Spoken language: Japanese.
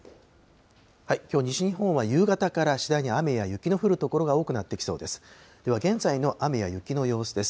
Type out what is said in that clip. きょう、西日本は夕方から、次第に雨や雪の降る所が多くなってきそうです。